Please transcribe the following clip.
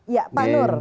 ya pak nur